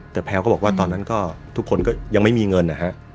แต่แพลวก็บอกว่าตอนนั้นก็ทุกคนก็ยังไม่มีเงินนะฮะ